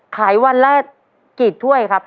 ขายวันละกี่ถ้วยครับ